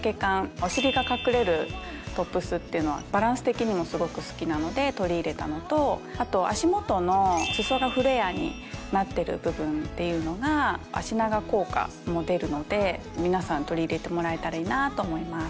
お尻が隠れるトップスっていうのはバランス的にもすごく好きなので取り入れたのとあと足元の裾がフレアになってる部分っていうのが脚長効果も出るので皆さん取り入れてもらえたらいいなと思います。